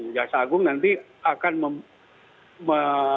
kejaksaan agung nanti akan mem